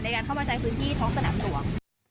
ในการเข้ามาใช้พื้นที่ท้องสนามหลวง